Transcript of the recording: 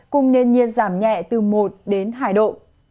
cùng nền nhiệt giảm nhẹ từ một đến hai độ